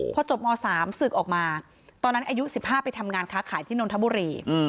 พอจบม๓ศึกออกมาตอนนั้นอายุ๑๕ไปทำงานค้าขายที่นนทบุรี